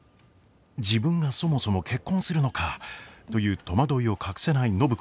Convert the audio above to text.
自分がそもそも結婚するのか？という戸惑いを隠せない暢子ですが。